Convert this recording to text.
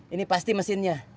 ini pasti mesinnya